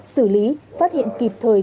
xử lý phát hiện kịp thời